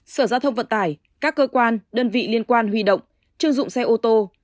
sở gia thông vận tải các cơ quan đơn vị liên quan huy động chương dụng xe ô tô